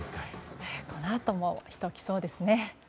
このあとも人、来そうですね。